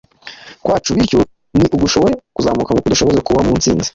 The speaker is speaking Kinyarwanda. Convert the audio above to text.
kwacu, bityo ntigushobore kuzamuka ngo kudushoboze kubaho mu ntsinzi.